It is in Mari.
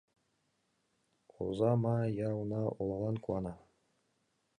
Оза ма я уна Олалан куана.